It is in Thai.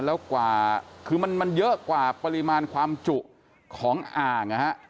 แล้วกว่าคือมันเยอะกว่าปริมาณความจุของอ่าง